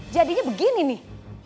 jadinya begini nih